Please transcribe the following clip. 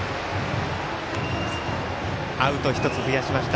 アウト１つ増やしました。